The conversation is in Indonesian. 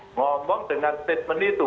ngomong dengan statement itu